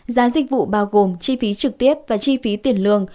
giá dịch vụ bao gồm chi phí trực tiếp và chi phí tiền lương